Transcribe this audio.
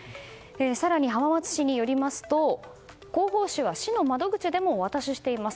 更に浜松市によりますと広報誌は市の窓口でもお渡ししています。